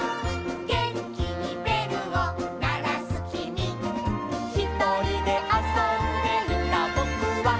「げんきにべるをならすきみ」「ひとりであそんでいたぼくは」